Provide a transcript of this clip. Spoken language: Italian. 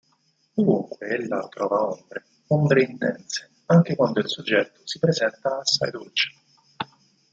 Dovunque ella trova ombre, ombre intense anche quando il soggetto si presenta assai dolce.